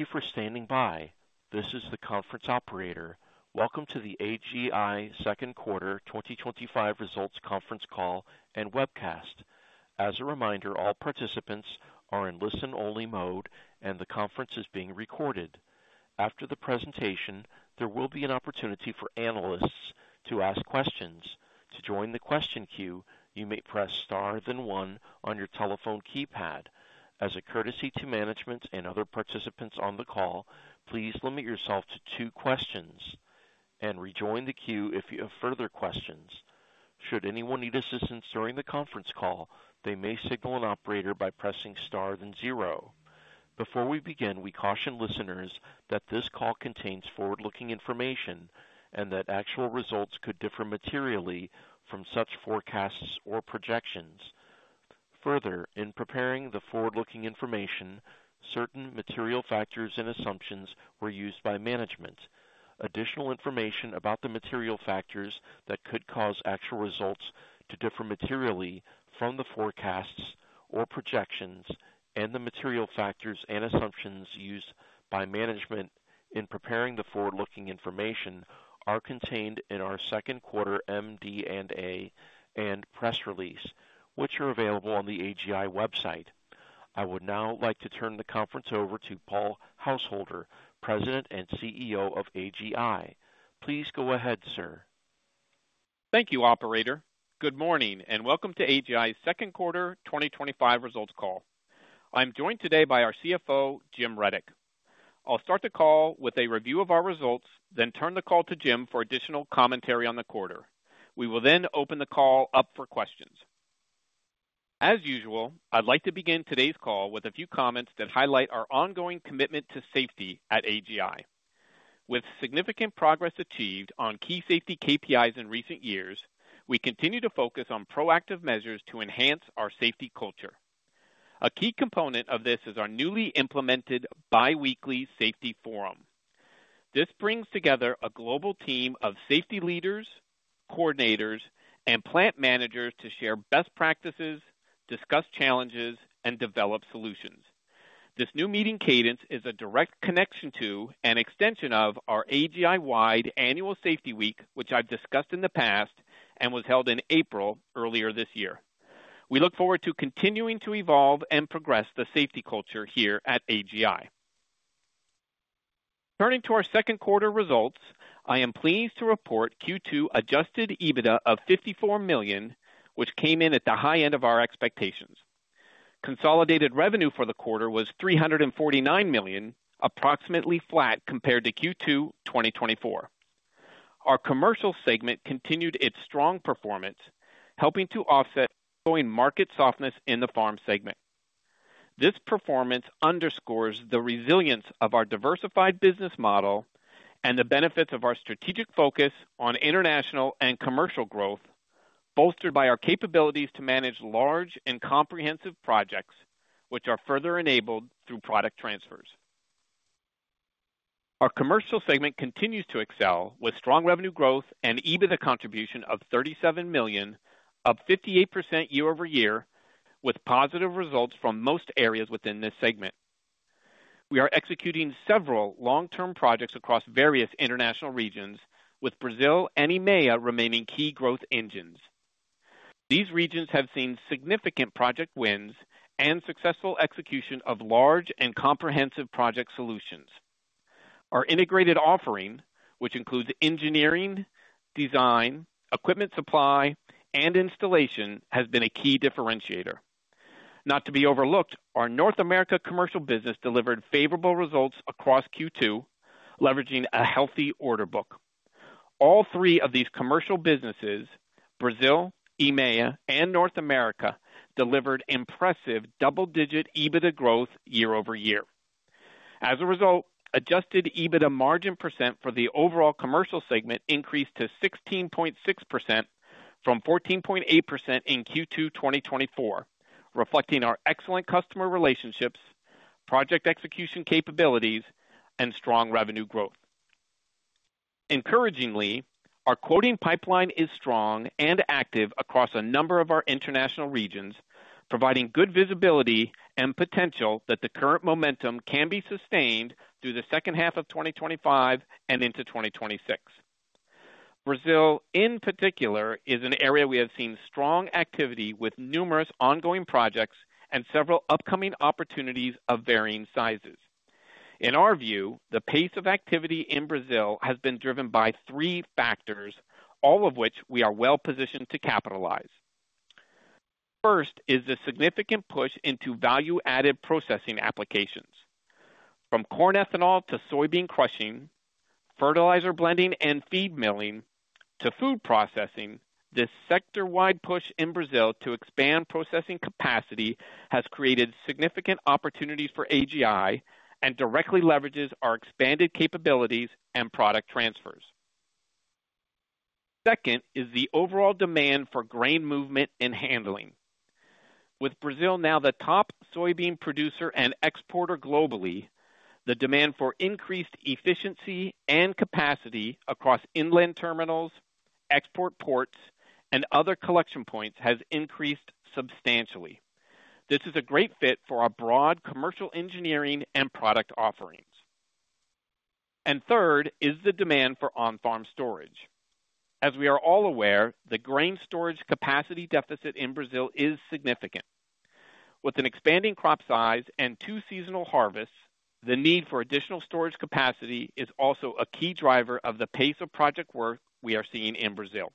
Thank you for standing by. This is the conference operator. Welcome to the AGI second quarter 2025 results conference call and webcast. As a reminder, all participants are in listen-only mode, and the conference is being recorded. After the presentation, there will be an opportunity for analysts to ask questions. To join the question queue, you may press star then one on your telephone keypad. As a courtesy to management and other participants on the call, please limit yourself to two questions and rejoin the queue if you have further questions. Should anyone need assistance during the conference call, they may signal an operator by pressing star then zero. Before we begin, we caution listeners that this call contains forward-looking information and that actual results could differ materially from such forecasts or projections. Further, in preparing the forward-looking information, certain material factors and assumptions were used by management. Additional information about the material factors that could cause actual results to differ materially from the forecasts or projections and the material factors and assumptions used by management in preparing the forward-looking information are contained in our Second Quarter MD&A and press release, which are available on the AGI website. I would now like to turn the conference over to Paul Householder, President and CEO of AGl. Please go ahead, sir. Thank you, Operator. Good morning and welcome to AGI's second quarter 2025 results call. I'm joined today by our CFO, Jim Rudyk. I'll start the call with a review of our results, then turn the call to Jim for additional commentary on the quarter. We will then open the call up for questions. As usual, I'd like to begin today's call with a few comments that highlight our ongoing commitment to safety at AGI. With significant progress achieved on key safety KPIs in recent years, we continue to focus on proactive measures to enhance our safety culture. A key component of this is our newly implemented bi-weekly safety forum. This brings together a global team of safety leaders, coordinators, and plant managers to share best practices, discuss challenges, and develop solutions. This new meeting cadence is a direct connection to and extension of our AGI-wide annual safety week, which I've discussed in the past and was held in April earlier this year. We look forward to continuing to evolve and progress the safety culture here at AGI. Turning to our second quarter results, I am pleased to report Q2 adjusted EBITDA of $54 million, which came in at the high end of our expectations. Consolidated revenue for the quarter was $349 million, approximately flat compared to Q2 2024. Our commercial segment continued its strong performance, helping to offset growing market softness in the farm segment. This performance underscores the resilience of our diversified business model and the benefits of our strategic focus on international and commercial growth, bolstered by our capabilities to manage large and comprehensive projects, which are further enabled through product transfers. Our commercial segment continues to excel with strong revenue growth and EBITDA contribution of $37 million, up 58% year-over-year, with positive results from most areas within this segment. We are executing several long-term projects across various international regions, with Brazil and EMEA remaining key growth engines. These regions have seen significant project wins and successful execution of large and comprehensive project solutions. Our integrated offering, which includes engineering, design, equipment supply, and installation, has been a key differentiator. Not to be overlooked, our North America commercial business delivered favorable results across Q2, leveraging a healthy order book. All three of these commercial businesses, Brazil, EMEA, and North America, delivered impressive double-digit EBITDA growth year over year. As a result, adjusted EBITDA margin % for the overall commercial segment increased to 16.6% from 14.8% in Q2 2024, reflecting our excellent customer relationships, project execution capabilities, and strong revenue growth. Encouragingly, our quoting pipeline is strong and active across a number of our international regions, providing good visibility and potential that the current momentum can be sustained through the second half of 2025 and into 2026. Brazil, in particular, is an area we have seen strong activity with numerous ongoing projects and several upcoming opportunities of varying sizes. In our view, the pace of activity in Brazil has been driven by three factors, all of which we are well positioned to capitalize. First is the significant push into value-added processing applications. From corn ethanol to soybean crushing, fertilizer blending, and feed milling to food processing, this sector-wide push in Brazil to expand processing capacity has created significant opportunities for AGI and directly leverages our expanded capabilities and product transfers. Second is the overall demand for grain movement and handling. With Brazil now the top soybean producer and exporter globally, the demand for increased efficiency and capacity across inland terminals, export ports, and other collection points has increased substantially. This is a great fit for our broad commercial engineering and product offerings. Third is the demand for on-farm storage. As we are all aware, the grain storage capacity deficit in Brazil is significant. With an expanding crop size and two seasonal harvests, the need for additional storage capacity is also a key driver of the pace of project work we are seeing in Brazil.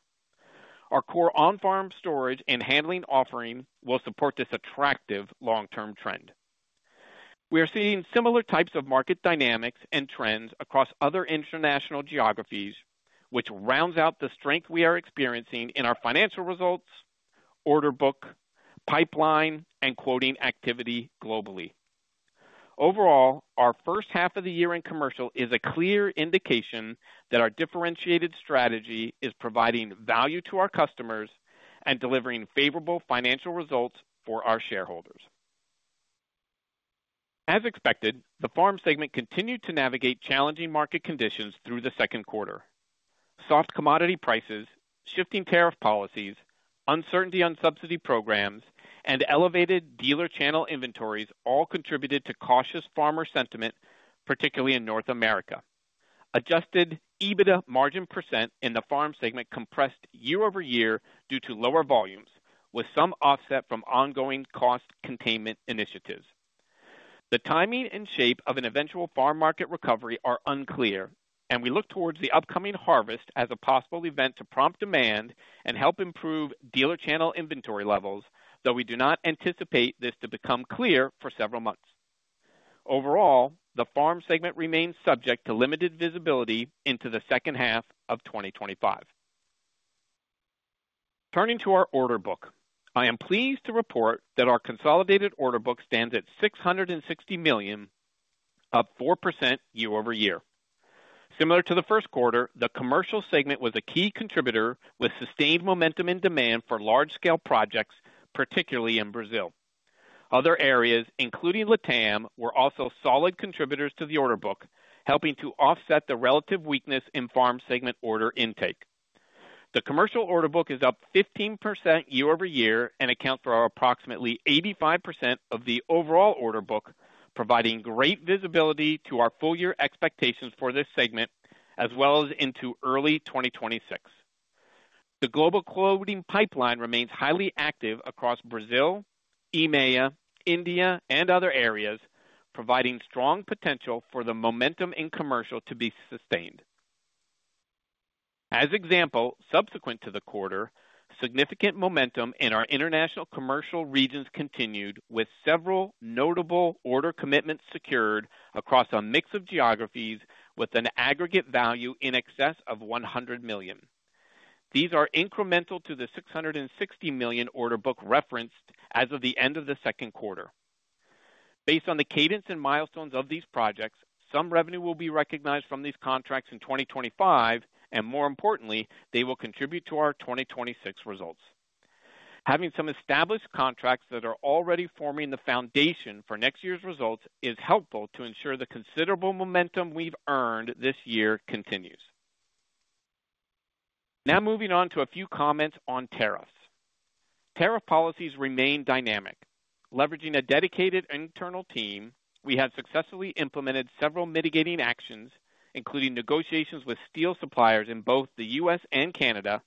Our core on-farm storage and handling offering will support this attractive long-term trend. We are seeing similar types of market dynamics and trends across other international geographies, which rounds out the strength we are experiencing in our financial results, order book, pipeline, and quoting activity globally. Overall, our first half of the year in commercial is a clear indication that our differentiated strategy is providing value to our customers and delivering favorable financial results for our shareholders. As expected, the farm segment continued to navigate challenging market conditions through the second quarter. Soft commodity prices, shifting tariff policies, uncertainty on subsidy programs, and elevated dealer channel inventories all contributed to cautious farmer sentiment, particularly in North America. Adjusted EBITDA margin percent in the farm segment compressed year-over-year due to lower volumes, with some offset from ongoing cost containment initiatives. The timing and shape of an eventual farm market recovery are unclear, and we look towards the upcoming harvest as a possible event to prompt demand and help improve dealer channel inventory levels, though we do not anticipate this to become clear for several months. Overall, the farm segment remains subject to limited visibility into the second half of 2025. Turning to our order book, I am pleased to report that our consolidated order book stands at $660 million, up 4% year-over-year. Similar to the first quarter, the commercial segment was a key contributor with sustained momentum in demand for large-scale projects, particularly in Brazil. Other areas, including Latam, were also solid contributors to the order book, helping to offset the relative weakness in farm segment order intake. The commercial order book is up 15% year-over-year and accounts for approximately 85% of the overall order book, providing great visibility to our full-year expectations for this segment, as well as into early 2026. The global quoting pipeline remains highly active across Brazil, EMEA, India, and other areas, providing strong potential for the momentum in commercial to be sustained. As an example, subsequent to the quarter, significant momentum in our international commercial regions continued with several notable order commitments secured across a mix of geographies with an aggregate value in excess of $100 million. These are incremental to the $660 million order book referenced as of the end of the second quarter. Based on the cadence and milestones of these projects, some revenue will be recognized from these contracts in 2025, and more importantly, they will contribute to our 2026 results. Having some established contracts that are already forming the foundation for next year's results is helpful to ensure the considerable momentum we've earned this year continues. Now moving on to a few comments on tariffs. Tariff policies remain dynamic. Leveraging a dedicated internal team, we have successfully implemented several mitigating actions, including negotiations with steel suppliers in both the U.S. and Canada,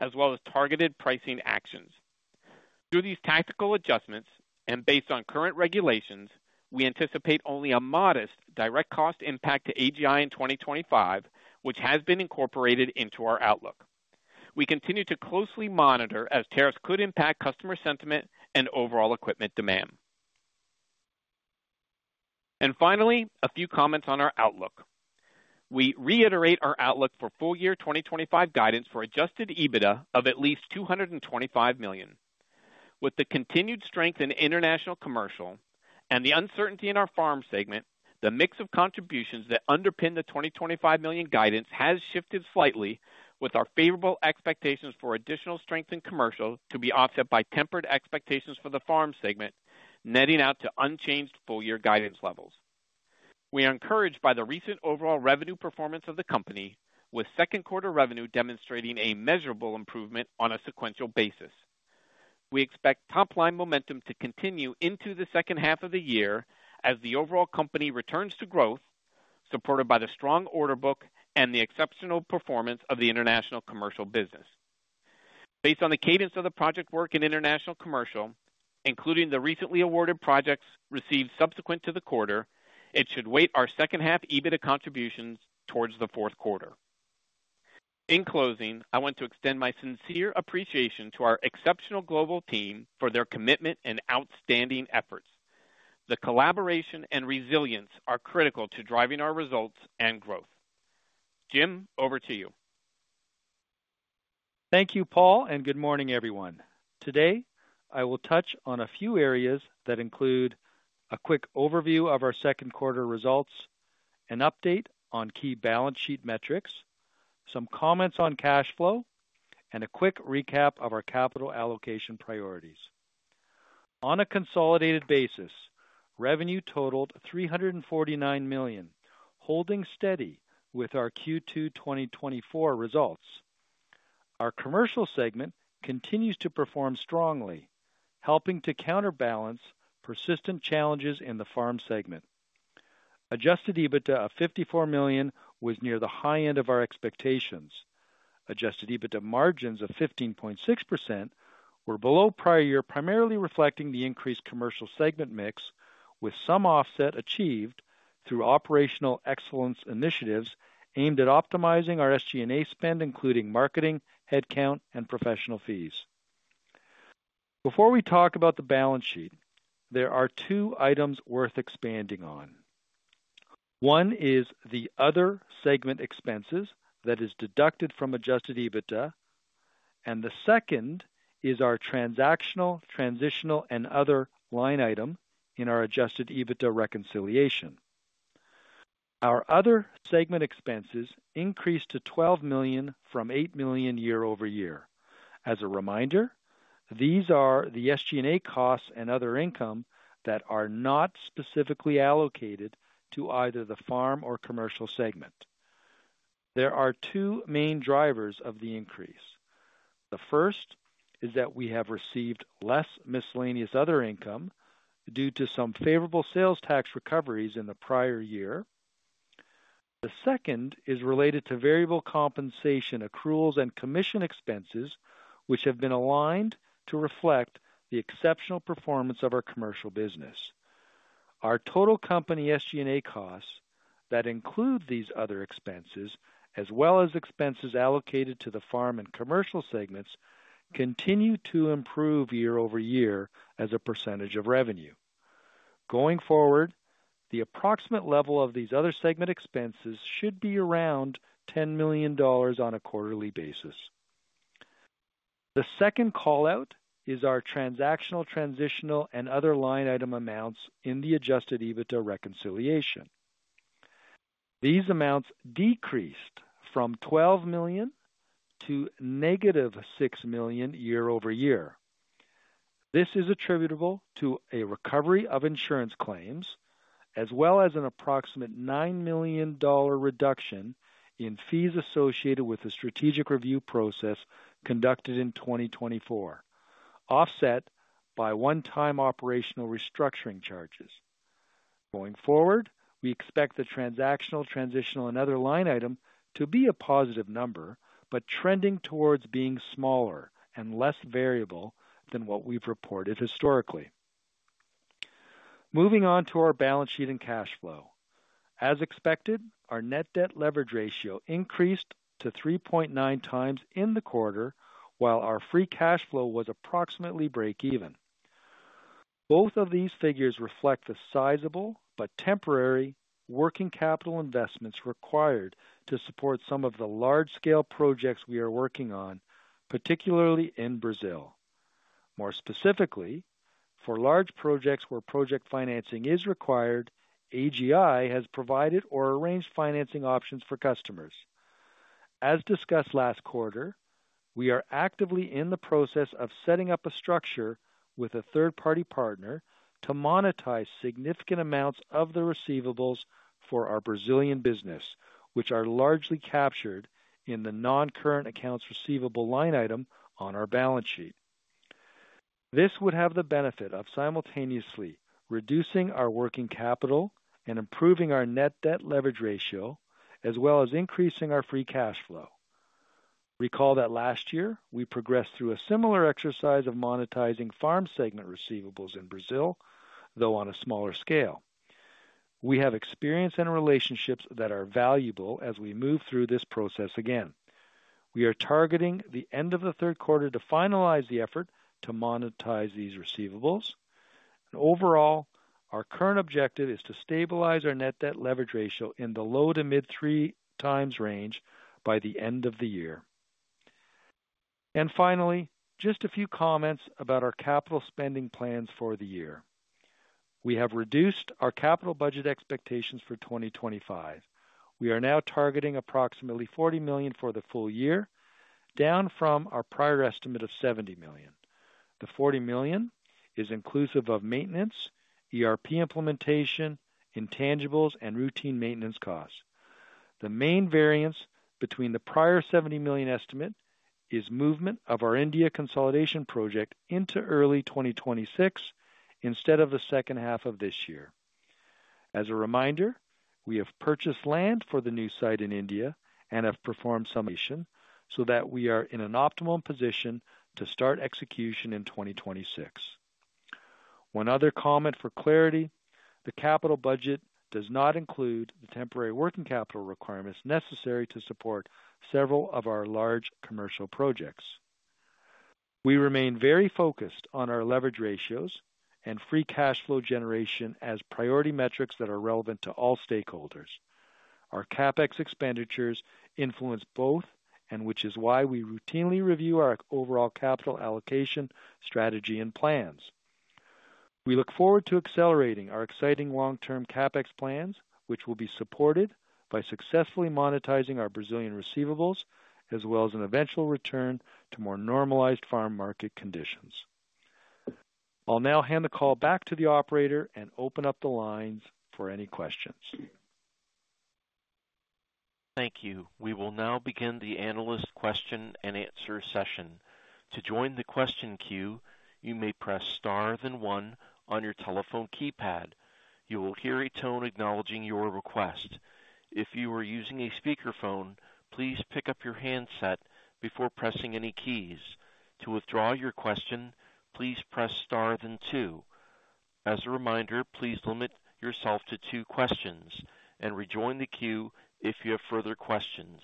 as well as targeted pricing actions. Through these tactical adjustments and based on current regulations, we anticipate only a modest direct cost impact to AGI in 2025, which has been incorporated into our outlook. We continue to closely monitor as tariffs could impact customer sentiment and overall equipment demand. Finally, a few comments on our outlook. We reiterate our outlook for full-year 2025 guidance for adjusted EBITDA of at least $225 million. With the continued strength in international commercial and the uncertainty in our farm segment, the mix of contributions that underpin the $225 million guidance has shifted slightly, with our favorable expectations for additional strength in commercial to be offset by tempered expectations for the farm segment, netting out to unchanged full-year guidance levels. We are encouraged by the recent overall revenue performance of the company, with second quarter revenue demonstrating a measurable improvement on a sequential basis. We expect top-line momentum to continue into the second half of the year as the overall company returns to growth, supported by the strong order book and the exceptional performance of the international commercial business. Based on the cadence of the project work in international commercial, including the recently awarded projects received subsequent to the quarter, it should weight our second half EBITDA contributions towards the fourth quarter. In closing, I want to extend my sincere appreciation to our exceptional global team for their commitment and outstanding efforts. The collaboration and resilience are critical to driving our results and growth. Jim, over to you. Thank you, Paul, and good morning, everyone. Today, I will touch on a few areas that include a quick overview of our second quarter results, an update on key balance sheet metrics, some comments on cash flow, and a quick recap of our capital allocation priorities. On a consolidated basis, revenue totaled $349 million, holding steady with our Q2 2024 results. Our commercial segment continues to perform strongly, helping to counterbalance persistent challenges in the farm segment. Adjusted EBITDA of $54 million was near the high end of our expectations. Adjusted EBITDA margins of 15.6% were below prior year, primarily reflecting the increased commercial segment mix, with some offset achieved through operational excellence initiatives aimed at optimizing our SG&A spend, including marketing, headcount, and professional fees. Before we talk about the balance sheet, there are two items worth expanding on. One is the other segment expenses that are deducted from adjusted EBITDA, and the second is our transactional, transitional, and other line item in our adjusted EBITDA reconciliation. Our other segment expenses increased to $12 million from $8 million year-over-year. As a reminder, these are the SG&A costs and other income that are not specifically allocated to either the farm or commercial segment. There are two main drivers of the increase. The first is that we have received less miscellaneous other income due to some favorable sales tax recoveries in the prior year. The second is related to variable compensation accruals and commission expenses, which have been aligned to reflect the exceptional performance of our commercial business. Our total company SG&A costs that include these other expenses, as well as expenses allocated to the farm and commercial segments, continue to improve year over year as a percentage of revenue. Going forward, the approximate level of these other segment expenses should be around $10 million on a quarterly basis. The second callout is our transactional, transitional, and other line item amounts in the adjusted EBITDA reconciliation. These amounts decreased from $12 million to -$6 million year-over-year. This is attributable to a recovery of insurance claims, as well as an approximate $9 million reduction in fees associated with the strategic review process conducted in 2024, offset by one-time operational restructuring charges. Going forward, we expect the transactional, transitional, and other line item to be a positive number, but trending towards being smaller and less variable than what we've reported historically. Moving on to our balance sheet and cash flow. As expected, our net debt leverage ratio increased to 3.9x in the quarter, while our free cash flow was approximately break-even. Both of these figures reflect the sizable but temporary working capital investments required to support some of the large-scale projects we are working on, particularly in Brazil. More specifically, for large projects where project financing is required, AGI has provided or arranged financing options for customers. As discussed last quarter, we are actively in the process of setting up a structure with a third-party partner to monetize significant amounts of the receivables for our Brazilian business, which are largely captured in the non-current accounts receivable line item on our balance sheet. This would have the benefit of simultaneously reducing our working capital and improving our net debt leverage ratio, as well as increasing our free cash flow. Recall that last year, we progressed through a similar exercise of monetizing farm segment receivables in Brazil, though on a smaller scale. We have experience and relationships that are valuable as we move through this process again. We are targeting the end of the third quarter to finalize the effort to monetize these receivables. Overall, our current objective is to stabilize our net debt leverage ratio in the low to mid-three times range by the end of the year. Finally, just a few comments about our capital spending plans for the year. We have reduced our capital budget expectations for 2025. We are now targeting approximately $40 million for the full-year, down from our prior estimate of $70 million. The $40 million is inclusive of maintenance, ERP implementation, intangibles, and routine maintenance costs. The main variance between the prior $70 million estimate is movement of our India consolidation project into early 2026 instead of the second half of this year. As a reminder, we have purchased land for the new site in India and have performed some acquisition so that we are in an optimal position to start execution in 2026. One other comment for clarity, the capital budget does not include the temporary working capital requirements necessary to support several of our large commercial projects. We remain very focused on our leverage ratios and free cash flow generation as priority metrics that are relevant to all stakeholders. Our capital expenditures influence both, which is why we routinely review our overall capital allocation strategy and plans. We look forward to accelerating our exciting long-term capital expenditures plans, which will be supported by successfully monetizing our Brazilian receivables, as well as an eventual return to more normalized farm market conditions. I'll now hand the call back to the operator and open up the lines for any questions. Thank you. We will now begin the analyst question and answer session. To join the question queue, you may press star then one on your telephone keypad. You will hear a tone acknowledging your request. If you are using a speakerphone, please pick up your handset before pressing any keys. To withdraw your question, please press star then two. As a reminder, please limit yourself to two questions and rejoin the queue if you have further questions.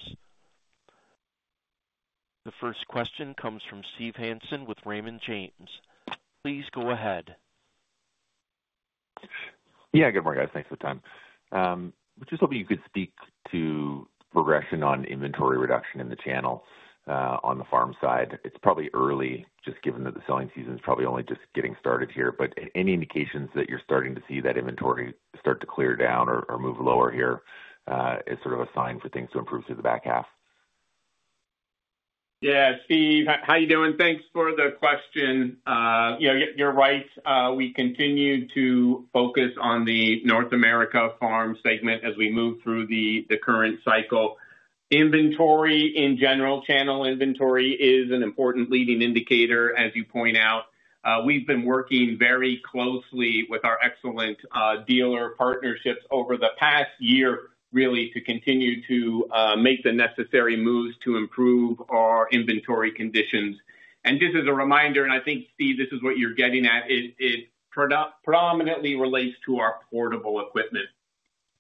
The first question comes from Steve Hansen with Raymond James. Please go ahead. Good morning, guys. Thanks for the time. I was just hoping you could speak to progression on inventory reduction in the channel on the farm side. It's probably early, just given that the selling season is probably only just getting started here, but any indications that you're starting to see that inventory start to clear down or move lower here, it's sort of a sign for things to improve through the back half. Yeah, Steve, how you doing? Thanks for the question. You know, you're right. We continue to focus on the North America farm segment as we move through the current cycle. Inventory in general, channel inventory is an important leading indicator, as you point out. We've been working very closely with our excellent dealer partnerships over the past year, really, to continue to make the necessary moves to improve our inventory conditions. Just as a reminder, and I think, Steve, this is what you're getting at, it predominantly relates to our portable equipment.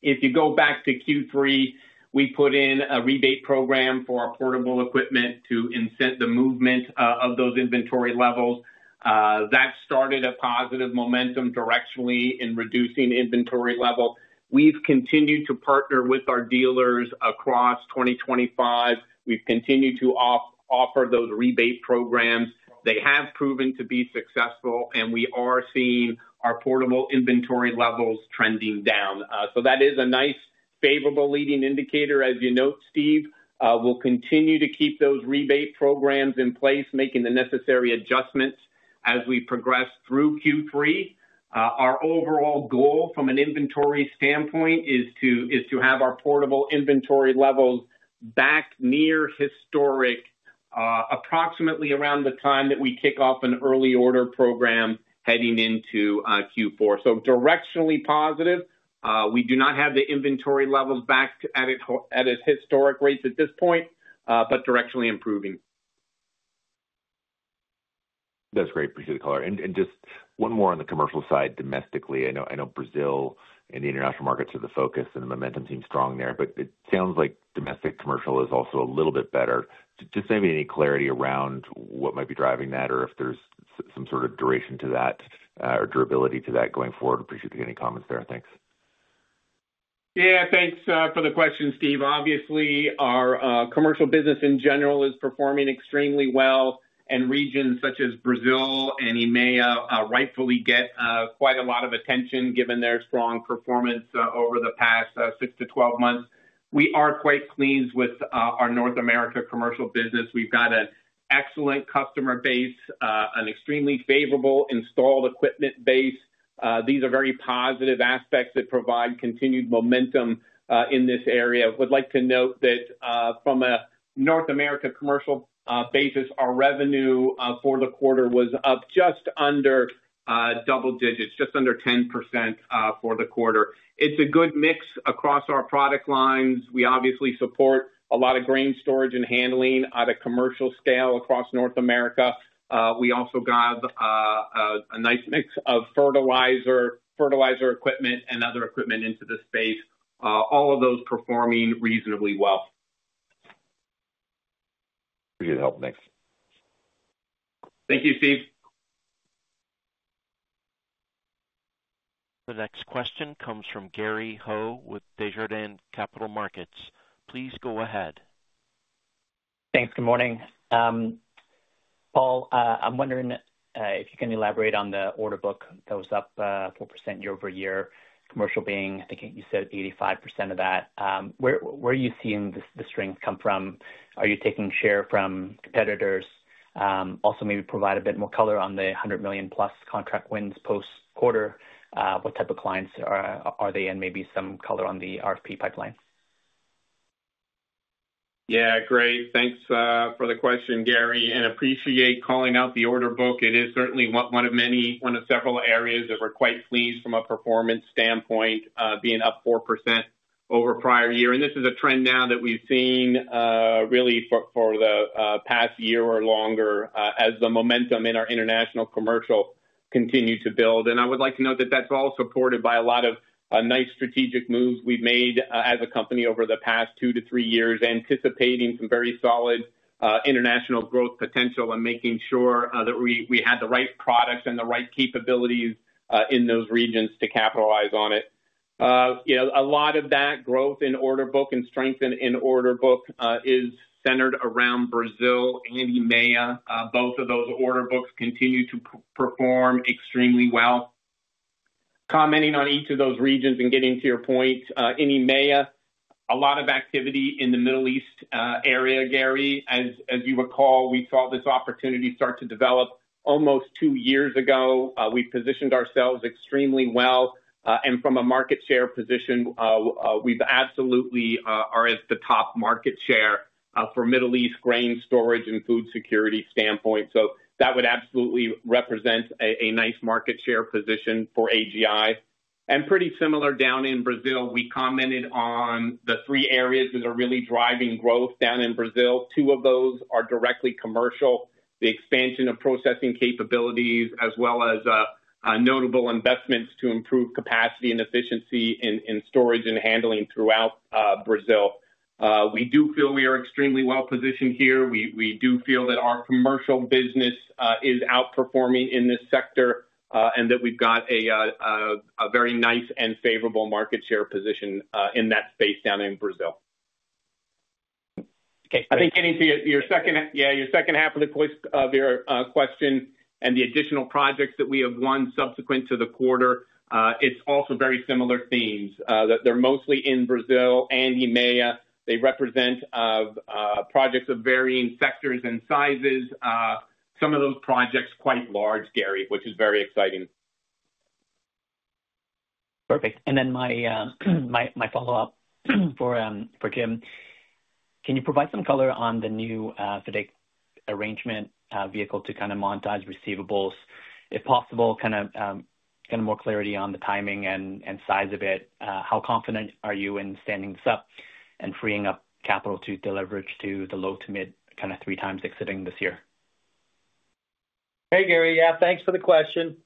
If you go back to Q3, we put in a rebate program for our portable equipment to incent the movement of those inventory levels. That started a positive momentum directionally in reducing inventory level. We've continued to partner with our dealers across 2025. We've continued to offer those rebate programs. They have proven to be successful, and we are seeing our portable inventory levels trending down. That is a nice, favorable leading indicator, as you note, Steve. We'll continue to keep those rebate programs in place, making the necessary adjustments as we progress through Q3. Our overall goal from an inventory standpoint is to have our portable inventory levels back near historic, approximately around the time that we kick off an early order program heading into Q4. Directionally positive. We do not have the inventory levels back at its historic rates at this point, but directionally improving. That's great. Appreciate the caller. Just one more on the commercial side domestically. I know Brazil and the international markets are the focus, and the momentum seems strong there, but it sounds like domestic commercial is also a little bit better. Maybe any clarity around what might be driving that or if there's some sort of duration to that or durability to that going forward. Appreciate the comments there. Thanks. Yeah, thanks for the question, Steve. Obviously, our commercial business in general is performing extremely well, and regions such as Brazil and EMEA rightfully get quite a lot of attention given their strong performance over the past 6 to 12 months. We are quite pleased with our North America commercial business. We've got an excellent customer base, an extremely favorable installed equipment base. These are very positive aspects that provide continued momentum in this area. I would like to note that from a North America commercial basis, our revenue for the quarter was up just under double digits, just under 10% for the quarter. It's a good mix across our product lines. We obviously support a lot of grain storage and handling at a commercial scale across North America. We also got a nice mix of fertilizer equipment and other equipment into the space. All of those performing reasonably well. Appreciate the help. Thanks. Thank you, Steve. The next question comes from Gary Ho with Desjardins Capital Markets. Please go ahead. Thanks. Good morning. Paul, I'm wondering if you can elaborate on the order book that was up 4% year-over-year, commercial being, I think you said 85% of that. Where are you seeing this strength come from? Are you taking share from competitors? Also, maybe provide a bit more color on the $100 million plus contract wins post-quarter. What type of clients are they and maybe some color on the RFP pipelines? Yeah, great. Thanks for the question, Gary, and appreciate calling out the order book. It is certainly one of several areas that we're quite pleased from a performance standpoint, being up 4% over prior year. This is a trend now that we've seen really for the past year or longer as the momentum in our international commercial continued to build. I would like to note that that's all supported by a lot of nice strategic moves we've made as a company over the past two to three years, anticipating some very solid international growth potential and making sure that we had the right products and the right capabilities in those regions to capitalize on it. A lot of that growth in order book and strength in order book is centered around Brazil and EMEA. Both of those order books continue to perform extremely well. Commenting on each of those regions and getting to your point, EMEA, a lot of activity in the Middle East area, Gary. As you recall, we saw this opportunity start to develop almost two years ago. We positioned ourselves extremely well. From a market share position, we absolutely are at the top market share for Middle East grain storage and food security standpoint. That would absolutely represent a nice market share position for AGI. Pretty similar down in Brazil, we commented on the three areas that are really driving growth down in Brazil. Two of those are directly commercial, the expansion of processing capabilities, as well as notable investments to improve capacity and efficiency in storage and handling throughout Brazil. We do feel we are extremely well positioned here. We do feel that our commercial business is outperforming in this sector and that we've got a very nice and favorable market share position in that space down in Brazil. I think getting to your second half of the question and the additional projects that we have won subsequent to the quarter, it's also very similar themes. They're mostly in Brazil and EMEA. They represent projects of varying sectors and sizes. Some of those projects are quite large, Gary, which is very exciting. Perfect. My follow-up for Jim. Can you provide some color on the new FIDIC arrangement vehicle to kind of monetize receivables? If possible, kind of more clarity on the timing and size of it. How confident are you in standing this up and freeing up capital to leverage to the low to mid kind of 3x exceeding this year? Hey, Gary. Yeah, thanks for the question.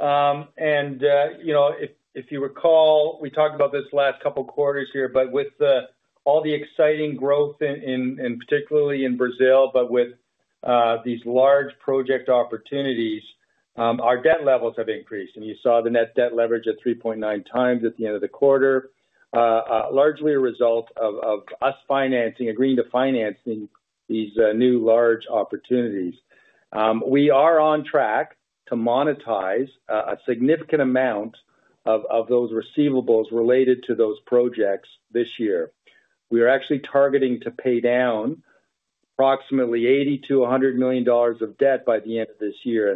You know, if you recall, we talked about this last couple of quarters here, but with all the exciting growth, particularly in Brazil, with these large project opportunities, our debt levels have increased. You saw the net debt leverage at 3.9x at the end of the quarter, largely a result of us financing, agreeing to finance these new large opportunities. We are on track to monetize a significant amount of those receivables related to those projects this year. We are actually targeting to pay down approximately $80 million-$100 million of debt by the end of this year.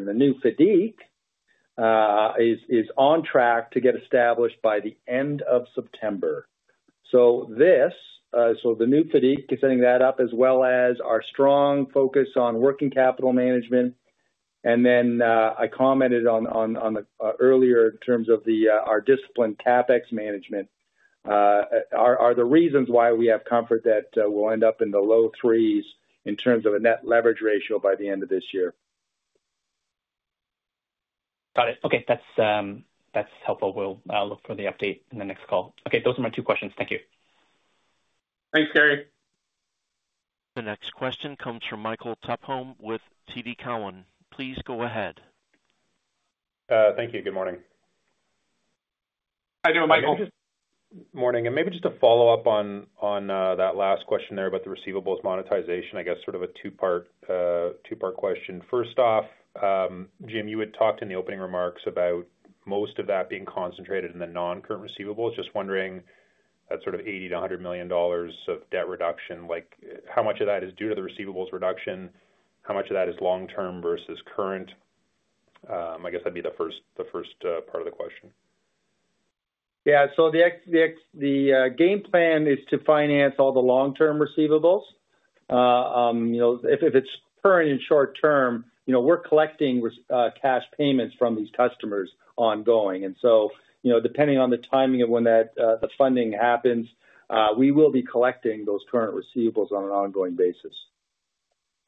The new FIDIC is on track to get established by the end of September. The new FIDIC is setting that up, as well as our strong focus on working capital management. I commented on earlier in terms of our disciplined capital expenditures management are the reasons why we have comfort that we'll end up in the low threes in terms of a net leverage ratio by the end of this year. Got it. Okay, that's helpful. We'll look for the update in the next call. Okay, those are my two questions. Thank you. Thanks, Gary. The next question comes from Michael Tupholme with TD Cowen. Please go ahead. Thank you. Good morning. Hi, John. Michael. Morning. Maybe just a follow-up on that last question about the monetization of Brazilian receivables. I guess sort of a two-part question. First off, Jim, you had talked in the opening remarks about most of that being concentrated in the non-current receivables. Just wondering, that sort of $80 million-$100 million of debt reduction, how much of that is due to the receivables reduction? How much of that is long-term versus current? I guess that would be the first part of the question. The game plan is to finance all the long-term receivables. If it's current and short-term, we're collecting cash payments from these customers ongoing. Depending on the timing of when the funding happens, we will be collecting those current receivables on an ongoing basis.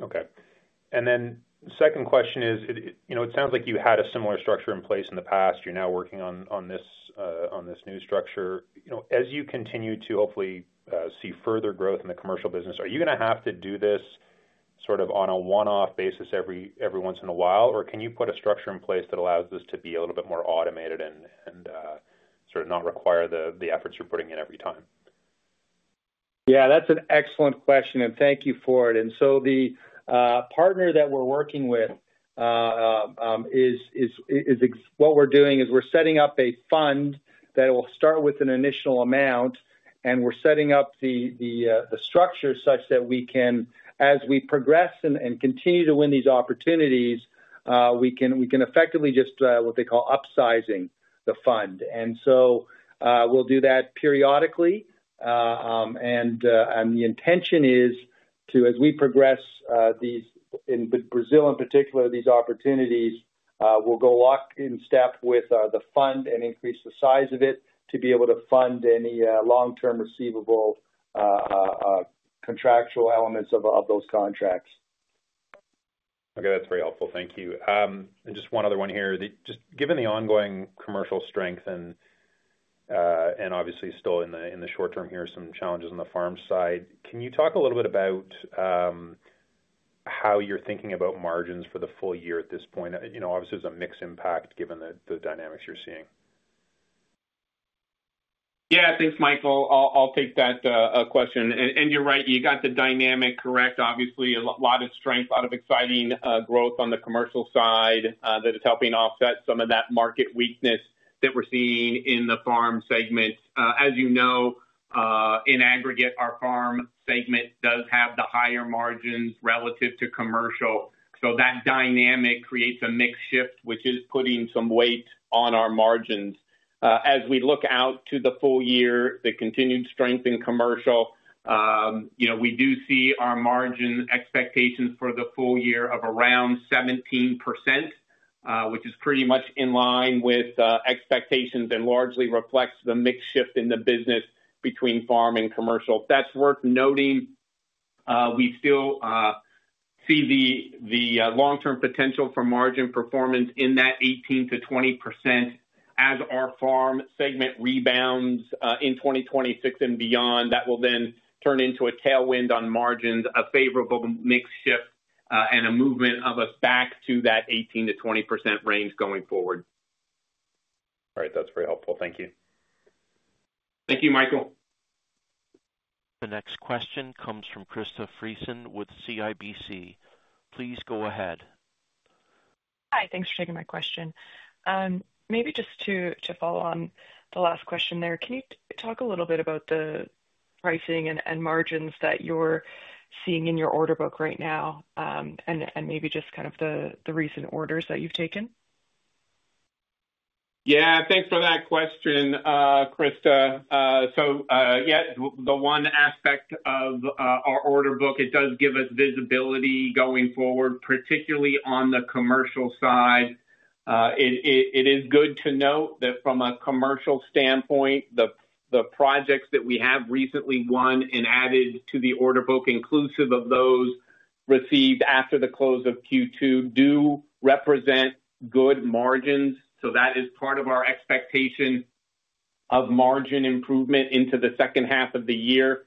Okay. The second question is, it sounds like you've had a similar structure in place in the past. You're now working on this new structure. As you continue to hopefully see further growth in the commercial business, are you going to have to do this sort of on a one-off basis every once in a while, or can you put a structure in place that allows this to be a little bit more automated and not require the efforts you're putting in every time? Yeah, that's an excellent question, and thank you for it. The partner that we're working with is what we're doing is we're setting up a fund that will start with an initial amount, and we're setting up the structure such that we can, as we progress and continue to win these opportunities, we can effectively just what they call upsizing the fund. We will do that periodically. The intention is to, as we progress these in Brazil in particular, these opportunities will go locked in step with the fund and increase the size of it to be able to fund any long-term receivable contractual elements of those contracts. Okay, that's very helpful. Thank you. Just one other one here. Given the ongoing commercial strength and obviously still in the short term here, some challenges on the farm side, can you talk a little bit about how you're thinking about margins for the full year at this point? Obviously, there's a mixed impact given the dynamics you're seeing. Yeah, thanks, Michael. I'll take that question. You're right, you got the dynamic correct, obviously, a lot of strength, a lot of exciting growth on the commercial side that is helping offset some of that market weakness that we're seeing in the farm segment. As you know, in aggregate, our farm segment does have the higher margins relative to commercial. That dynamic creates a mixed shift, which is putting some weight on our margins. As we look out to the full year, the continued strength in commercial, you know, we do see our margin expectations for the full year of around 17%, which is pretty much in line with expectations and largely reflects the mixed shift in the business between farm and commercial. That's worth noting. We still see the long-term potential for margin performance in that 18%-20% range. As our farm segment rebounds in 2026 and beyond, that will then turn into a tailwind on margins, a favorable mixed shift, and a movement of us back to that 18%-20% range going forward. All right, that's very helpful. Thank you. Thank you, Michael. The next question comes from Krista Friesen with CIBC. Please go ahead. Hi, thanks for taking my question. Maybe just to follow on the last question there, can you talk a little bit about the pricing and margins that you're seeing in your order book right now, and maybe just kind of the recent orders that you've taken? Yeah, thanks for that question, Krista. The one aspect of our order book, it does give us visibility going forward, particularly on the commercial side. It is good to note that from a commercial standpoint, the projects that we have recently won and added to the order book, inclusive of those received after the close of Q2, do represent good margins. That is part of our expectation of margin improvement into the second half of the year.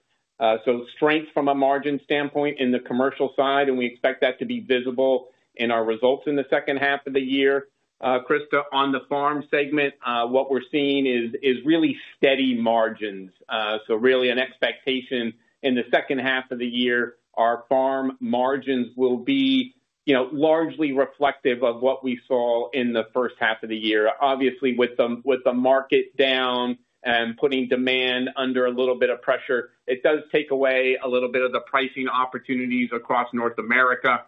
Strength from a margin standpoint in the commercial side, and we expect that to be visible in our results in the second half of the year. Krista, on the farm segment, what we're seeing is really steady margins. An expectation in the second half of the year, our farm margins will be largely reflective of what we saw in the first half of the year. Obviously, with the market down and putting demand under a little bit of pressure, it does take away a little bit of the pricing opportunities across North America.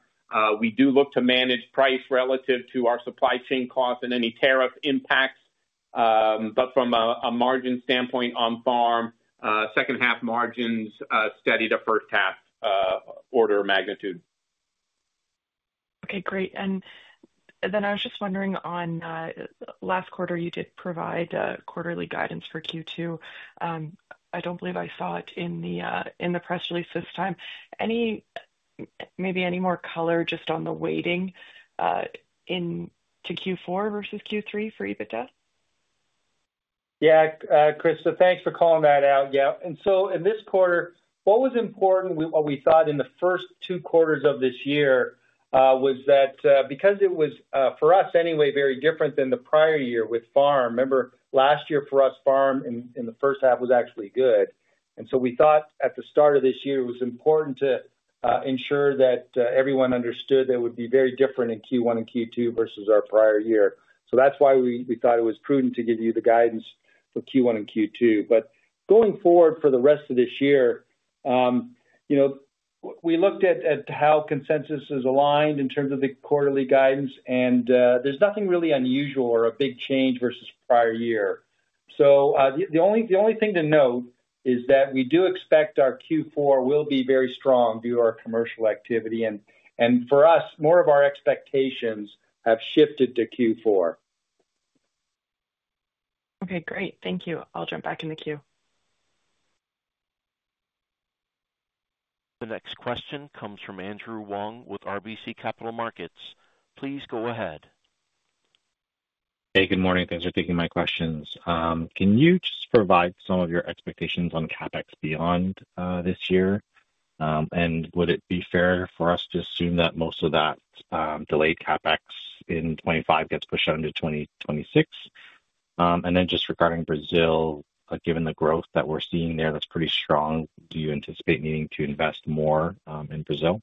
We do look to manage price relative to our supply chain costs and any tariff impacts. From a margin standpoint on farm, second half margins steady to first half order magnitude. Okay, great. I was just wondering on last quarter, you did provide quarterly guidance for Q2. I don't believe I saw it in the press release this time. Maybe any more color just on the waiting into Q4 versus Q3 for EBITDA? Yeah, Krista, thanks for calling that out. In this quarter, what was important, what we thought in the first two quarters of this year was that because it was for us anyway very different than the prior year with farm. Remember last year for us, farm in the first half was actually good. We thought at the start of this year it was important to ensure that everyone understood that it would be very different in Q1 and Q2 versus our prior year. That's why we thought it was prudent to give you the guidance for Q1 and Q2. Going forward for the rest of this year, you know, we looked at how consensus is aligned in terms of the quarterly guidance, and there's nothing really unusual or a big change versus prior year. The only thing to note is that we do expect our Q4 will be very strong due to our commercial activity. For us, more of our expectations have shifted to Q4. Okay, great. Thank you. I'll jump back in the queue. The next question comes from Andrew Wong with RBC Capital Markets. Please go ahead. Hey, good morning. Thanks for taking my questions. Can you just provide some of your expectations on capital expenditures beyond this year? Would it be fair for us to assume that most of that delayed capital expenditures in 2025 gets pushed out into 2026? Just regarding Brazil, given the growth that we're seeing there that's pretty strong, do you anticipate needing to invest more in Brazil?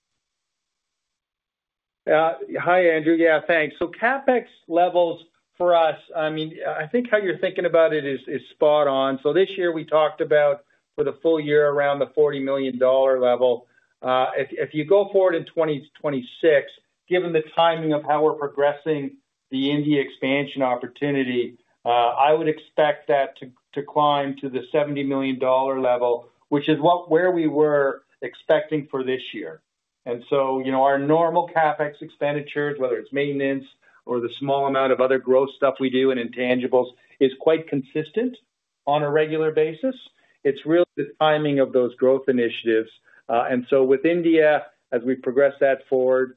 Hi, Andrew. Yeah, thanks. CapEx levels for us, I mean, I think how you're thinking about it is spot on. This year we talked about for the full year around the $40 million level. If you go forward in 2026, given the timing of how we're progressing the India expansion opportunity, I would expect that to climb to the $70 million level, which is where we were expecting for this year. Our normal CapEx expenditures, whether it's maintenance or the small amount of other growth stuff we do in intangibles, is quite consistent on a regular basis. It's really the timing of those growth initiatives. With India, as we progress that forward,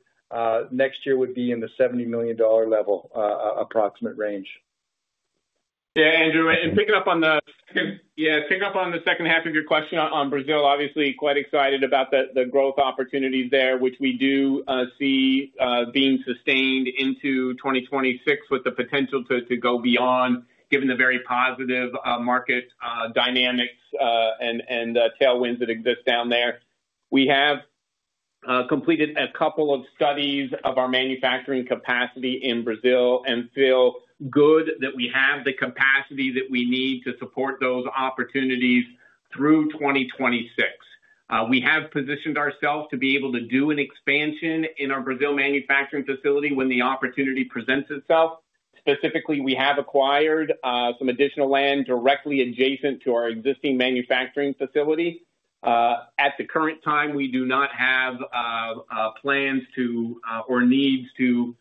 next year would be in the $70 million level approximate range. Picking up on the second half of your question on Brazil, obviously quite excited about the growth opportunities there, which we do see being sustained into 2026 with the potential to go beyond, given the very positive market dynamics and tailwinds that exist down there. We have completed a couple of studies of our manufacturing capacity in Brazil and feel good that we have the capacity that we need to support those opportunities through 2026. We have positioned ourselves to be able to do an expansion in our Brazil manufacturing facility when the opportunity presents itself. Specifically, we have acquired some additional land directly adjacent to our existing manufacturing facility. At the current time, we do not have plans to or needs to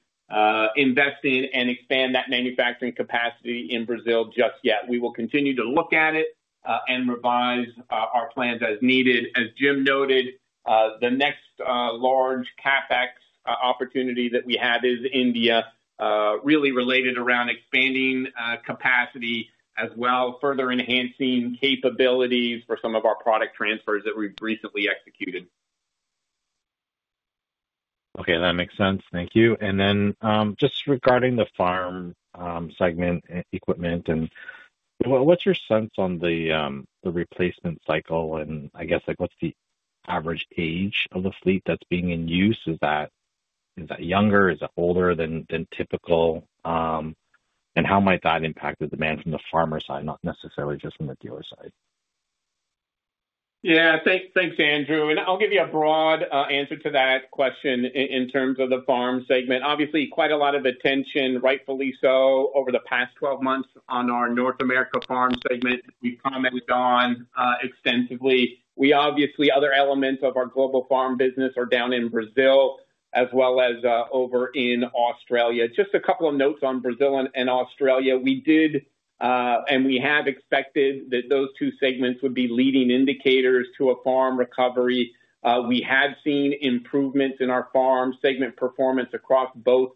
invest in and expand that manufacturing capacity in Brazil just yet. We will continue to look at it and revise our plans as needed. As Jim noted, the next large CapEx opportunity that we have is India, really related around expanding capacity as well, further enhancing capabilities for some of our product transfers that we've recently executed. Okay, that makes sense. Thank you. Regarding the farm segment equipment, what's your sense on the replacement cycle? What's the average age of the fleet that's being in use? Is that younger or older than typical? How might that impact the demand from the farmer side, not necessarily just from the dealer side? Yeah, thanks, Andrew. I'll give you a broad answer to that question in terms of the farm segment. Obviously, quite a lot of attention, rightfully so, over the past 12 months on our North America farm segment. We commented on it extensively. Other elements of our global farm business are down in Brazil, as well as over in Australia. Just a couple of notes on Brazil and Australia. We did, and we have expected that those two segments would be leading indicators to a farm recovery. We have seen improvements in our farm segment performance across both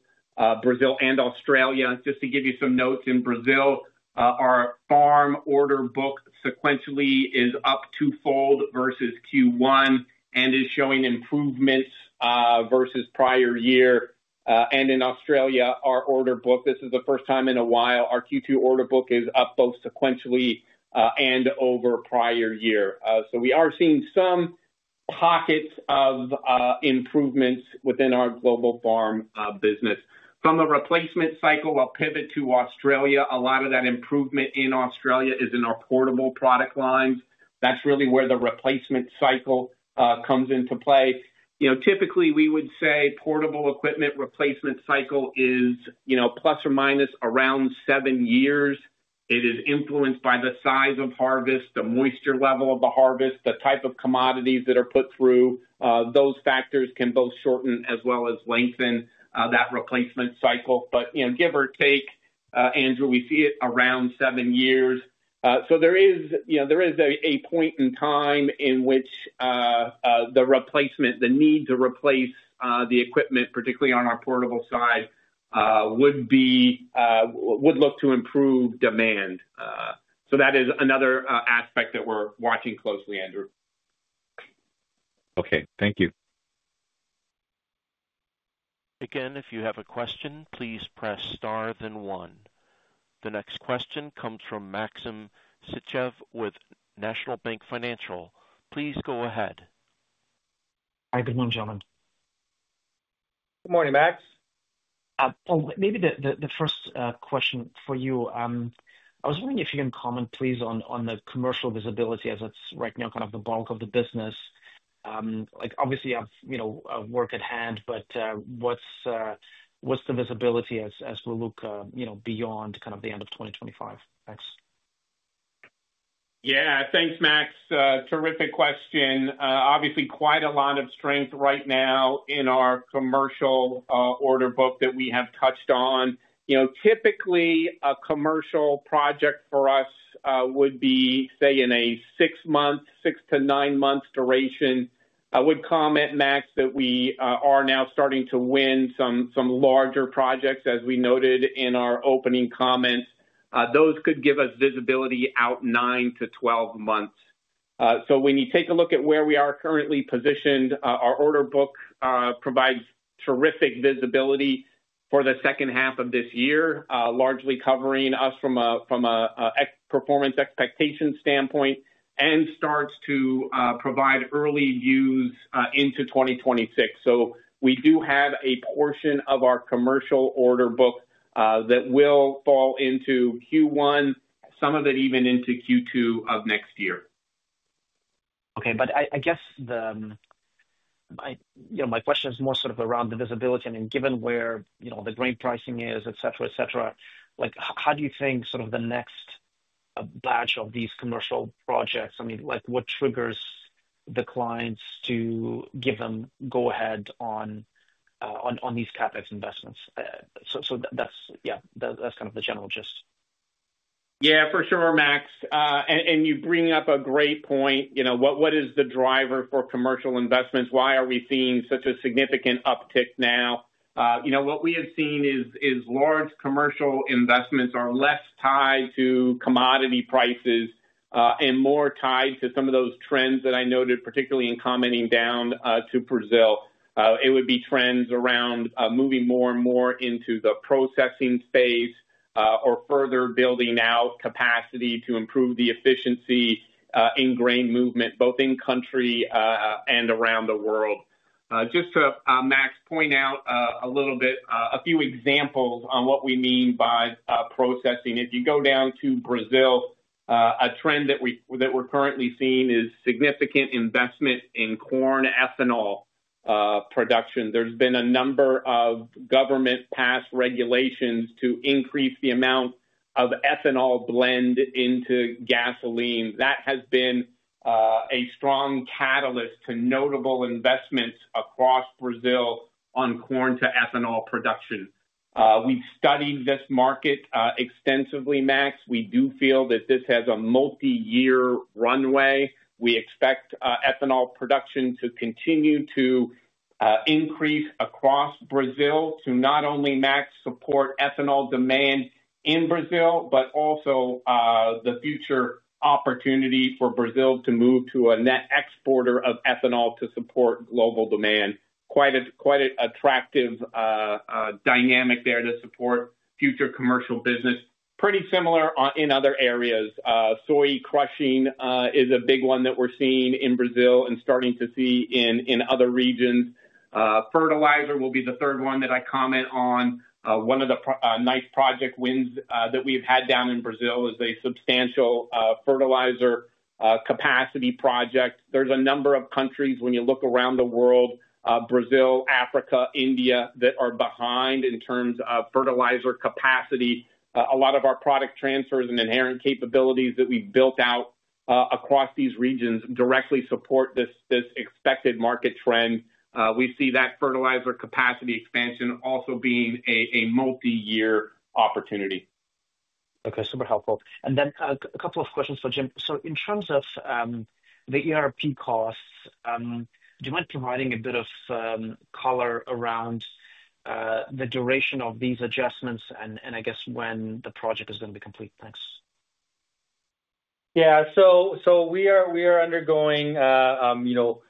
Brazil and Australia. Just to give you some notes in Brazil, our farm order book sequentially is up twofold versus Q1 and is showing improvements versus prior year. In Australia, our order book, this is the first time in a while, our Q2 order book is up both sequentially and over prior year. We are seeing some pockets of improvements within our global farm business. From a replacement cycle, I'll pivot to Australia. A lot of that improvement in Australia is in our portable product lines. That's really where the replacement cycle comes into play. Typically, we would say portable equipment replacement cycle is, you know, plus or minus around seven years. It is influenced by the size of harvest, the moisture level of the harvest, the type of commodities that are put through. Those factors can both shorten as well as lengthen that replacement cycle. Give or take, Andrew, we see it around seven years. There is a point in time in which the replacement, the need to replace the equipment, particularly on our portable side, would look to improve demand. That is another aspect that we're watching closely, Andrew. Okay, thank you. Again, if you have a question, please press star then one. The next question comes from Maxim Sytchev with National Bank Financial. Please go ahead. Hi, good morning, gentlemen. Good morning, Max. Maybe the first question for you. I was wondering if you can comment, please, on the commercial visibility as it's right now kind of the bulk of the business. Obviously, you have work at hand, but what's the visibility as we look beyond kind of the end of 2025? Yeah, thanks, Max. Terrific question. Obviously, quite a lot of strength right now in our commercial order book that we have touched on. Typically, a commercial project for us would be, say, in a six-month, six to nine-month duration. I would comment, Max, that we are now starting to win some larger projects, as we noted in our opening comments. Those could give us visibility out nine to 12 months. When you take a look at where we are currently positioned, our order book provides terrific visibility for the second half of this year, largely covering us from a performance expectation standpoint and starts to provide early views into 2026. We do have a portion of our commercial order book that will fall into Q1, some of it even into Q2 of next year. Okay, I guess my question is more sort of around the visibility, and given where the grain pricing is, etc., how do you think the next batch of these commercial projects will go? What triggers the clients to give them the go ahead on these CapEx investments? That's kind of the general gist. Yeah, for sure, Max. You bring up a great point. You know, what is the driver for commercial investments? Why are we seeing such a significant uptick now? What we have seen is large commercial investments are less tied to commodity prices and more tied to some of those trends that I noted, particularly in commenting down to Brazil. It would be trends around moving more and more into the processing space or further building out capacity to improve the efficiency in grain movement, both in country and around the world. Just to, Max, point out a little bit, a few examples on what we mean by processing. If you go down to Brazil, a trend that we're currently seeing is significant investment in corn ethanol production. There's been a number of government passed regulations to increase the amount of ethanol blend into gasoline. That has been a strong catalyst to notable investments across Brazil on corn to ethanol production. We've studied this market extensively, Max. We do feel that this has a multi-year runway. We expect ethanol production to continue to increase across Brazil to not only, Max, support ethanol demand in Brazil, but also the future opportunity for Brazil to move to a net exporter of ethanol to support global demand. Quite an attractive dynamic there to support future commercial business. Pretty similar in other areas. Soy crushing is a big one that we're seeing in Brazil and starting to see in other regions. Fertilizer will be the third one that I comment on. One of the nice project wins that we've had down in Brazil is a substantial fertilizer capacity project. There's a number of countries when you look around the world, Brazil, Africa, India, that are behind in terms of fertilizer capacity. A lot of our product transfers and inherent capabilities that we've built out across these regions directly support this expected market trend. We see that fertilizer capacity expansion also being a multi-year opportunity. Okay, super helpful. A couple of questions for Jim. In terms of the ERP costs, do you mind providing a bit of color around the duration of these adjustments and I guess when the project is going to be complete? Thanks. Yeah, so we are undergoing, you know,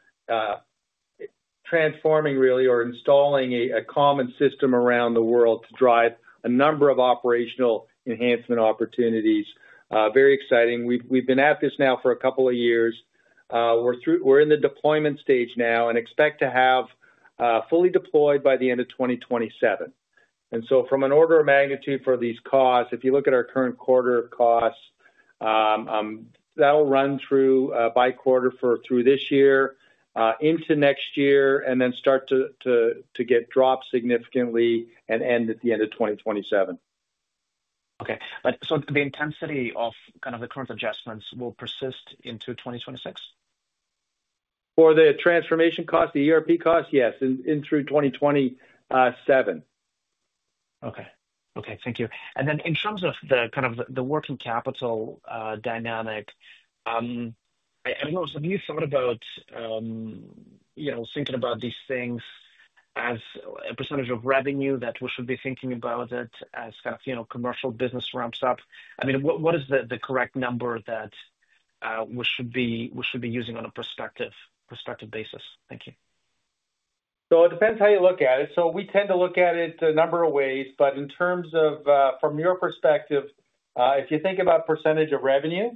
transforming really or installing a common system around the world to drive a number of operational enhancement opportunities. Very exciting. We've been at this now for a couple of years. We're in the deployment stage now and expect to have fully deployed by the end of 2027. From an order of magnitude for these costs, if you look at our current quarter of costs, that'll run through by quarter for through this year, into next year, and then start to get dropped significantly and end at the end of 2027. Okay, the intensity of kind of the current adjustments will persist into 2026? For the transformation cost, the ERP cost, yes, in through 2027. Thank you. In terms of the working capital dynamic, have you thought about thinking about these things as a percentage of revenue that we should be thinking about as the commercial business ramps up? What is the correct number that we should be using on a perspective basis? Thank you. It depends how you look at it. We tend to look at it a number of ways, but in terms of from your perspective, if you think about percentage of revenue,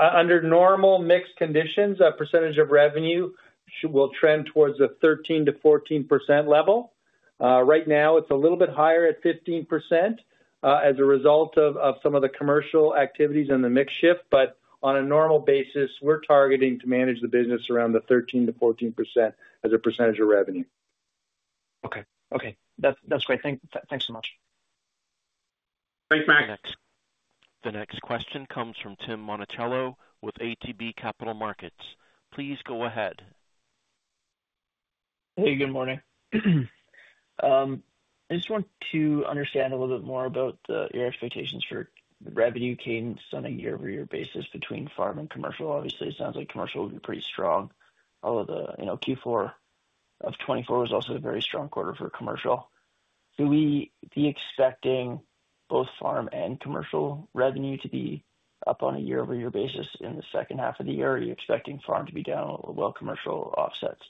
under normal mixed conditions, a percentage of revenue will trend towards a 13%-14% level. Right now, it's a little bit higher at 15% as a result of some of the commercial activities in the mixed shift, but on a normal basis, we're targeting to manage the business around the 13%-14% as a % of revenue. Okay, that's great. Thanks so much. Thanks, Max. The next question comes from Tim Monachello with ATB Capital Markets. Please go ahead. Hey, good morning. I just want to understand a little bit more about your expectations for the revenue cadence on a year-over-year basis between farm and commercial. Obviously, it sounds like commercial will be pretty strong. Q4 of 2024 is also a very strong quarter for commercial. Do we be expecting both farm and commercial revenue to be up on a year-over-year basis in the second half of the year, or are you expecting farm to be down while commercial offsets?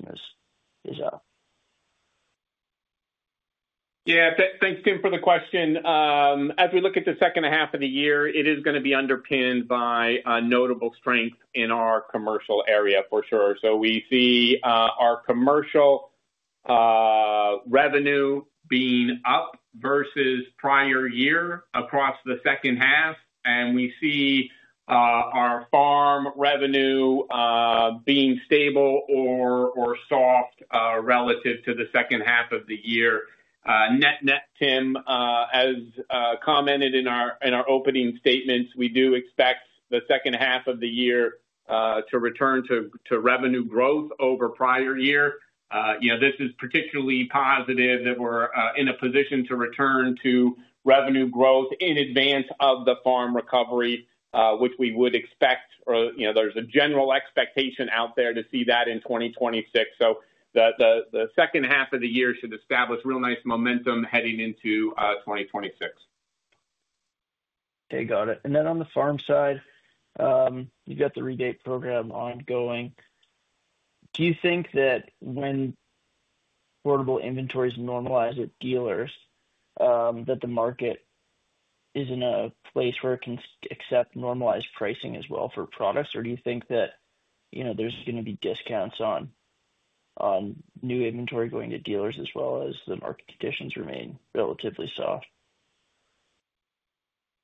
Yeah, thanks again for the question. As we look at the second half of the year, it is going to be underpinned by a notable strength in our commercial area for sure. We see our commercial revenue being up versus prior year across the second half, and we see our farm revenue being stable or soft relative to the second half of the year. Net Tim, as commented in our opening statements, we do expect the second half of the year to return to revenue growth over prior year. This is particularly positive that we're in a position to return to revenue growth in advance of the farm recovery, which we would expect, or there's a general expectation out there to see that in 2026. The second half of the year should establish real nice momentum heading into 2026. Okay, got it. On the farm side, you've got the rebate program ongoing. Do you think that when portable equipment inventories normalize at dealers, the market is in a place where it can accept normalized pricing as well for products, or do you think that there's going to be discounts on new inventory going to dealers as the market conditions remain relatively soft?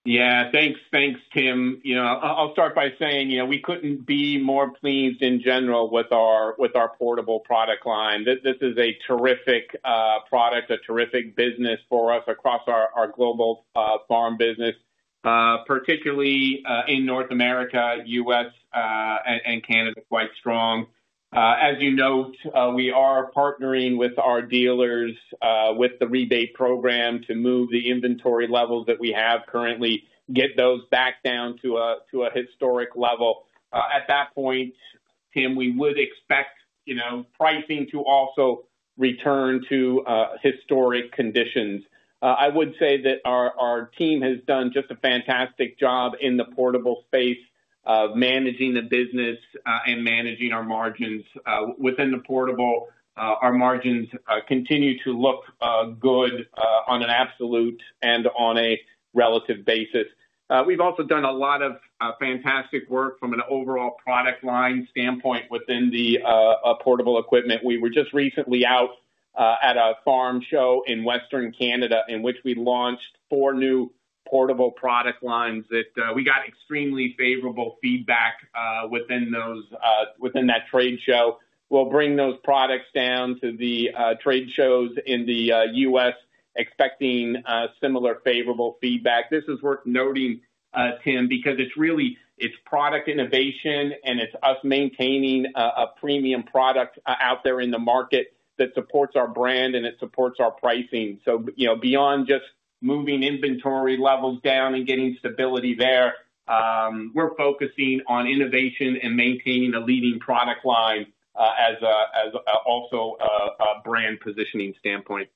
Yeah, thanks, thanks Tim. I'll start by saying we couldn't be more pleased in general with our portable product line. This is a terrific product, a terrific business for us across our global farm business, particularly in North America, U.S., and Canada, quite strong. As you note, we are partnering with our dealers with the rebate program to move the inventory levels that we have currently, get those back down to a historic level. At that point, Tim, we would expect pricing to also return to historic conditions. I would say that our team has done just a fantastic job in the portable space of managing the business and managing our margins within the portable. Our margins continue to look good on an absolute and on a relative basis. We've also done a lot of fantastic work from an overall product line standpoint within the portable equipment. We were just recently out at a farm show in Western Canada in which we launched four new portable product lines that we got extremely favorable feedback within that trade show. We'll bring those products down to the trade shows in the U.S., expecting similar favorable feedback. This is worth noting, Tim, because it's really product innovation and it's us maintaining a premium product out there in the market that supports our brand and it supports our pricing. Beyond just moving inventory levels down and getting stability there, we're focusing on innovation and maintaining a leading product line as also a brand positioning standpoint.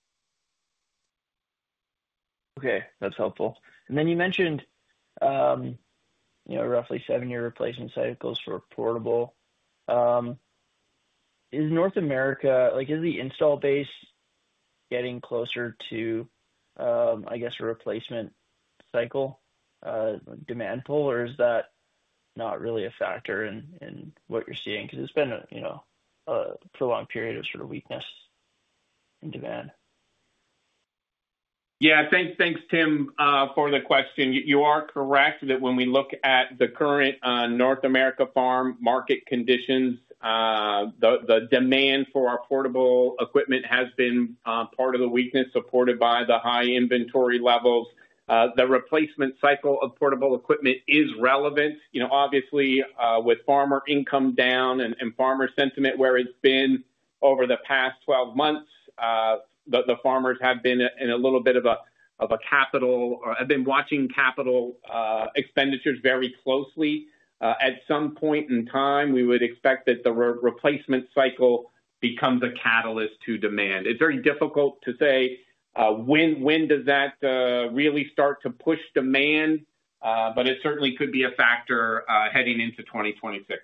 Okay, that's helpful. You mentioned, you know, roughly seven-year replacement cycles for portable. Is North America, like, is the install base getting closer to, I guess, a replacement cycle demand pull, or is that not really a factor in what you're seeing? It's been a, you know, a prolonged period of sort of weakness in demand. Yeah, thanks, thanks Tim, for the question. You are correct that when we look at the current North America farm market conditions, the demand for our portable equipment has been part of the weakness, supported by the high inventory levels. The replacement cycle of portable equipment is relevant. Obviously, with farmer income down and farmer sentiment where it's been over the past 12 months, the farmers have been in a little bit of a capital, or have been watching capital expenditures very closely. At some point in time, we would expect that the replacement cycle becomes a catalyst to demand. It's very difficult to say when does that really start to push demand, but it certainly could be a factor heading into 2026.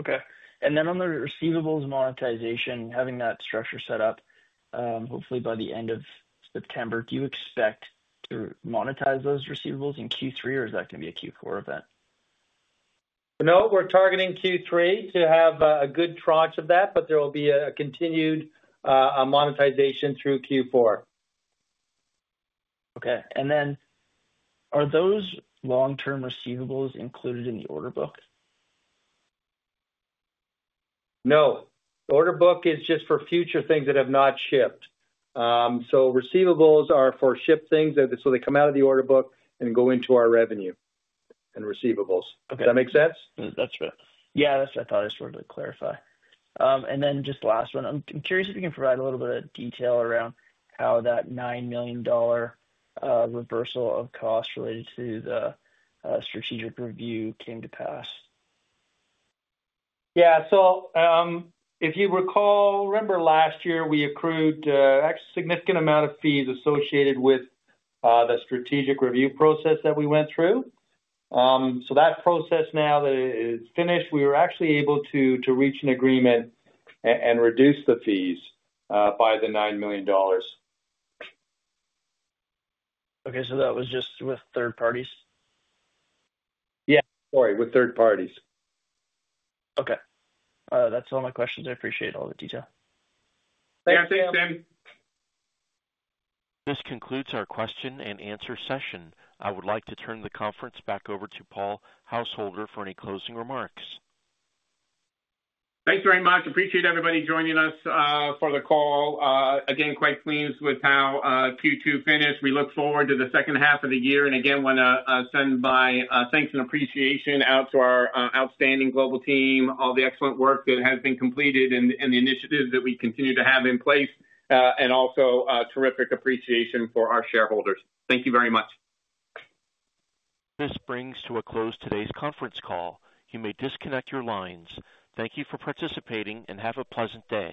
Okay. On the receivables monetization, having that structure set up, hopefully by the end of September, do you expect to monetize those receivables in Q3, or is that going to be a Q4 event? No, we're targeting Q3 to have a good tranche of that, but there will be a continued monetization through Q4. Okay. Are those long-term receivables included in the order book? No. The order book is just for future things that have not shipped. Receivables are for shipped things, so they come out of the order book and go into our revenue and receivables. Does that make sense? That's fair. Yeah, that's what I thought. I just wanted to clarify. I'm curious if you can provide a little bit of detail around how that $9 million reversal of costs related to the strategic review came to pass. Yeah. If you recall, remember last year we accrued a significant amount of fees associated with the strategic review process that we went through. That process now is finished, we were actually able to reach an agreement and reduce the fees by $9 million. Okay, that was just with third parties? Yeah, sorry, with third parties. Okay, that's all my questions. I appreciate all the detail. Thanks, Tim. This concludes our question and answer session. I would like to turn the conference back over to Paul Householder for any closing remarks. Thanks very much. Appreciate everybody joining us for the call. Quite pleased with how Q2 finished. We look forward to the second half of the year. I want to send my thanks and appreciation out to our outstanding global team, all the excellent work that has been completed and the initiatives that we continue to have in place, and also terrific appreciation for our shareholders. Thank you very much. This brings to a close today's conference call. You may disconnect your lines. Thank you for participating and have a pleasant day.